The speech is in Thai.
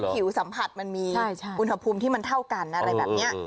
ผิวสัมผัสมันมีอุณหภูมิที่มันเท่ากันอะไรแบบนี้